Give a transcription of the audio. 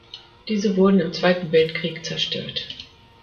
Diese wurden im Zweiten Weltkrieg zerstört.